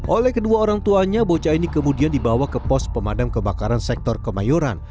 oleh kedua orang tuanya bocah ini kemudian dibawa ke pos pemadam kebakaran sektor kemayoran